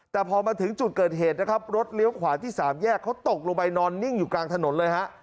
แต่พอมาถึงจุดเกิดเหตุนะครับรถเลี้ยวขวาที่สามแยกเขาตกลงไปนอนนิ่งอยู่กลางถนนเลยฮะ